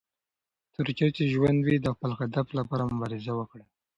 تر څو چې ژوند وي، د خپل هدف لپاره مبارزه وکړه.